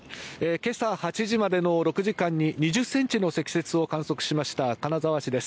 今朝８時までの６時間に２０ｃｍの積雪を観測しました金沢市です。